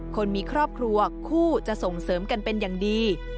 คนมีครอบครัวคู่จะส่งเสริมกันเป็นอย่างดี